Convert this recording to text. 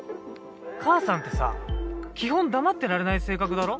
母さんってさ基本黙ってられない性格だろ？